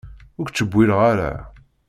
Ur k-ttcewwileɣ ara.